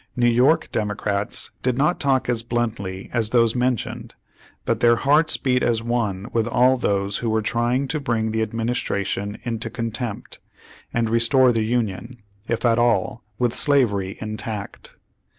New York Demo crates did not talk as bluntly as those mentioned, but their hearts beat as one with all those who were trying to bring the administration into con tempt, and restore the Union, if at all, with slavery intact.